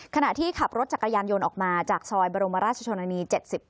ขณะที่ขับรถจักรยานยนต์ออกมาจากซอยบรมราชชนนานี๗๘